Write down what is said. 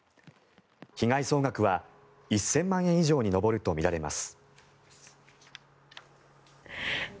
被害総額は１０００万円以上に上るとみられます。